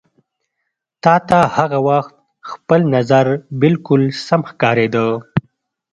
تا ته هغه وخت خپل نظر بالکل سم ښکارېده.